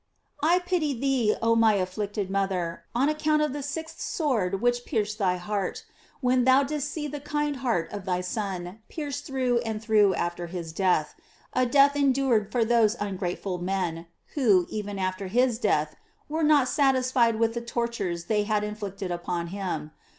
— I pity thee, oh my afflicted mother, on account of the sixth sword whitU pierced thy heart, when thou didst see the kind heart of thy Son pierced through and through after his death — a death endured fer those ungrateful men, who, even after his death, were not satisfied with the tortures they had inflicted upon him.